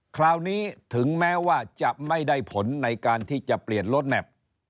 คราวนี้ถึงแม้ว่าจะไม่ได้ผลในการที่จะเปลี่ยนรถแมพ